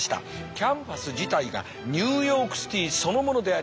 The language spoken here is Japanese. キャンパス自体がニューヨークシティーそのものであります。